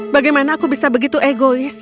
bagaimana aku bisa begitu egois